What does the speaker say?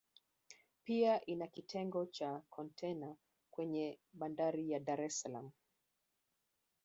pia ina kitengo cha kontena kwenye Bandari ya Dar es Salaam